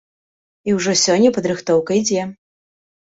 І ўжо сёння падрыхтоўка ідзе.